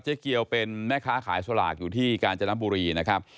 เกียวเป็นแม่ค้าขายสลากอยู่ที่กาญจนบุรีนะครับ